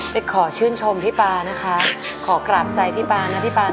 ขอชื่นชมพี่ปานะคะขอกราบใจพี่ปานะพี่ปาน